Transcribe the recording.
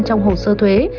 trong hồ sơ thuế